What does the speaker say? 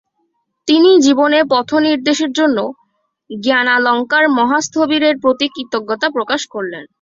তিনি জীবনে পথনির্দেশের জন্য জ্ঞানালঙ্কার মহাস্থবির এর প্রতি কৃতজ্ঞতা প্রকাশ করেন।